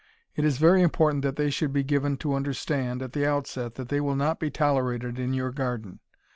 It is very important that they should be given to understand, at the outset, that they will not be tolerated in your garden.